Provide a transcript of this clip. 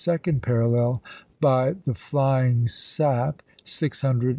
second parallel by the flying sap, six hundred July, i863.